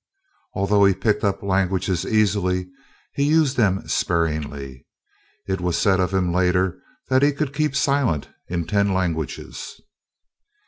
Although he picked up languages easily, he used them sparingly. It was said of him later that he could keep silent in ten languages.